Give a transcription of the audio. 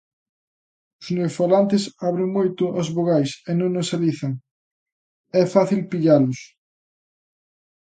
Os neofalantes abren moito as vogais e non nasalizan, é fácil pillalos.